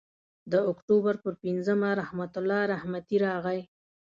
د اکتوبر پر پینځمه رحمت الله رحمتي راغی.